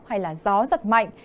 hay là gió giật mạnh